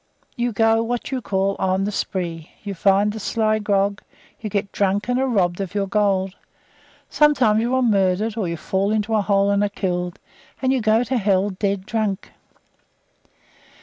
You go what you call 'on the spree'; you find the 'sly grog'; you get drunk and are robbed of your gold; sometimes you are murdered; or you fall into a hole and are killed, and you go to hell dead drunk.